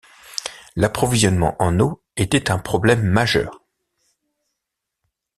L'approvisionnement en eau était un problème majeur.